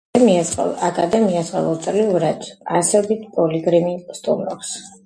აკადემიას ყოველწლიურად ასობით პილიგრიმი სტუმრობს.